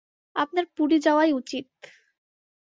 আপনার পুরী যাওয়াই উচিত।